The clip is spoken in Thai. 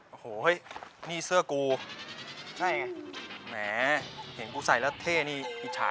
โอ้โหมีกล้าพูดเนอะ